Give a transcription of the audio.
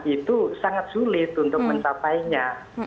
itu sangat sulit untuk mencapainya